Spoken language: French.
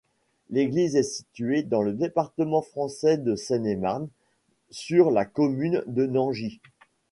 L'église est située dans le département français de Seine-et-Marne, sur la commune de Nangis.